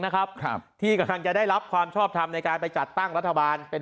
นะครับครับที่กำลังจะได้รับความชอบทำในการไปจัดตั้งรัฐบาลเป็น